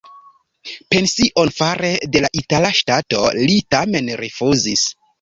Pension fare de la itala ŝtato li tamen rifŭzis.